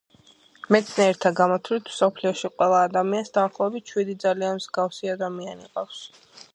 მეცნიერთა გამოთვლით, მსოფლიოში ყველა ადამიანს, დაახლოებით, შვიდი ძალიან მსგავსი ადამიანი ჰყავს.